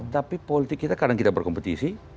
tapi politik kita kadang kita berkompetisi